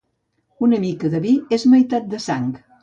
Una mica de vi és meitat de sang.